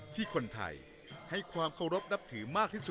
ที่คนไทย